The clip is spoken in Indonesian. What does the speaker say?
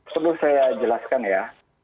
sebelum saya jelaskan ya